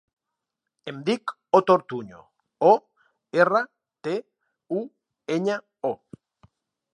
Em dic Oto Ortuño: o, erra, te, u, enya, o.